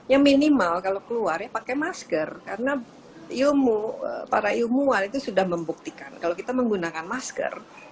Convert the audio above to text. ya minimal kalau keluar ya pakai masker karena para ilmuwan itu sudah membuktikan kalau kita menggunakan masker